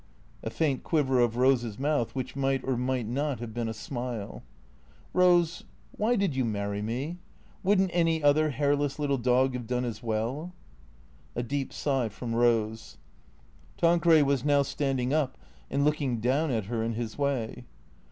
(A faint quiver of Rose's mouth which might or might not have been a smile.) " Rose, why did you marry me ? Would n't any other hairless little dog have done as well ?" (A deep sigh from Rose.) Tanqueray was now standing up and looking down at her in his way.